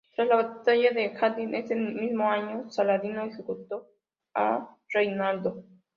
Tras la Batalla de Hattin ese mismo año, Saladino ejecutó a Reinaldo.